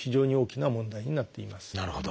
なるほど。